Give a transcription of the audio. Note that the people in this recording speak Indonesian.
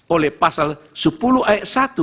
oleh pasal sepuluh ayat satu